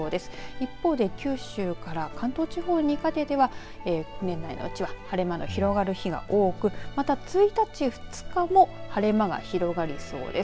一方で九州から関東地方にかけては年内のうちは晴れ間が広がる日が多くまた、１日、２日も晴れ間が広がりそうです。